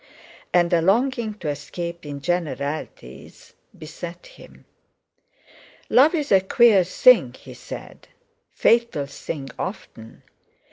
And a longing to escape in generalities beset him. "Love's a queer thing," he said, "fatal thing often.